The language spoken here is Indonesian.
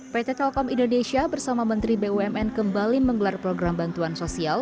pt telkom indonesia bersama menteri bumn kembali menggelar program bantuan sosial